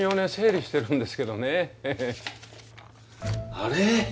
あれ？